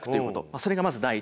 それがまず第一。